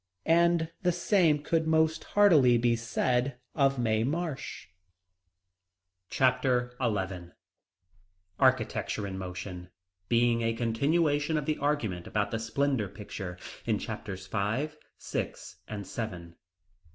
And the same can most heartily be said of Mae Marsh. Chapter XI Architecture in Motion, being a continuation of the argument about the Splendor Pictures, in chapters five, six, and seven.